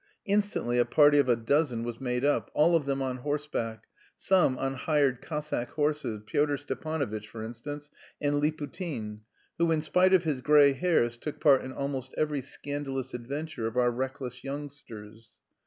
Instantly a party of a dozen was made up, all of them on horseback, some on hired Cossack horses, Pyotr Stepanovitch, for instance, and Liputin, who, in spite of his grey hairs, took part in almost every scandalous adventure of our reckless youngsters.